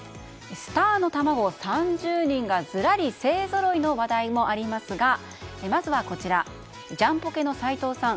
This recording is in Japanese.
スターの卵３０人がずらり勢ぞろいの話題もありますがまずはこちらジャンポケの斉藤さん